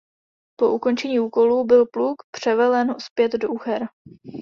Po ukončení úkolu byl pluk převelen zpět do Uher.